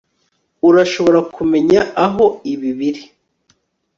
Urashobora kumenya aho ibi biri